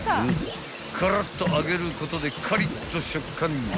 ［カラッと揚げることでカリッと食感に］